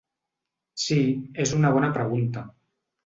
Sí, és una bona pregunta.